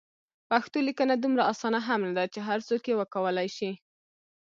پښتو لیکنه دومره اسانه هم نده چې هر څوک یې وکولای شي.